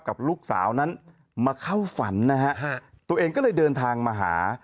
กับลูกสาวนั้นมาเข้าฝันนะฮะตัวเองก็เลยเดินทางมาหา